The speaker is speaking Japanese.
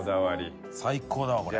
最高だわこれ。